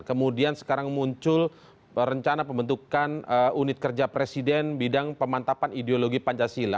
kemudian sekarang muncul rencana pembentukan unit kerja presiden bidang pemantapan ideologi pancasila